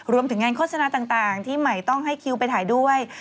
รวมถึงงานโฆษณาต่างที่ใหม่ต้องให้คิวไปถ่ายด้วย